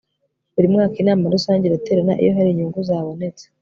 buri mwaka inama rusange iraterana iyo hari inyungu zabonetse